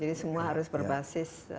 jadi semua harus berbasis